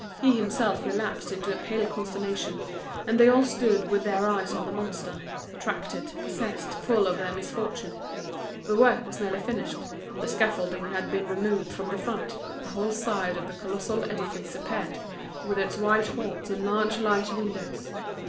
He himself relapsed into a pale consternation; and they all stood with their eyes on the monster, attracted, possessed, full of their misfortune. The work was nearly finished, the scaffolding had been removed from the front, a whole side of the colossal edifice appeared, with its white walls and large light windows.